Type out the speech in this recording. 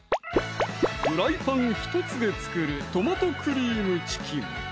フライパン１つで作る「トマトクリームチキン」